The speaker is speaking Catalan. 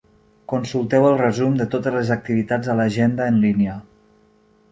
Consulteu el resum de totes les activitats a l'agenda en línia.